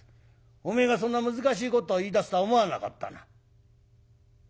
おめえがそんな難しいことを言いだすとは思わなかったな」。